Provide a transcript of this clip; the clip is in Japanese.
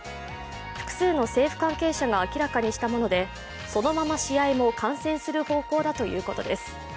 複数の政府関係者が明らかにしたものでそのまま試合も観戦する方向だということです。